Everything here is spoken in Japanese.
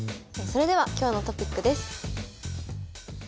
それでは今日のトピックです。